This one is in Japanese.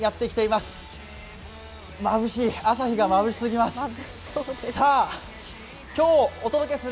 まぶしい、朝日がまぶしすぎます。